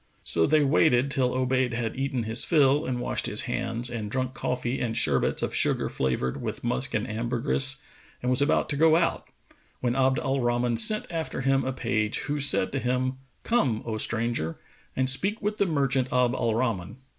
So they waited till Obayd had eaten his fill and washed his hands and drunk coffee and sherbets of sugar flavoured with musk and ambergris and was about to go out, when Abd al Rahman sent after him a page who said to him, "Come, O stranger, and speak with the merchant Abd al Rahman."